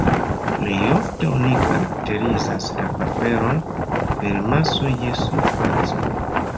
Plej ofte oni karakterizas la paperon per maso je surfaco.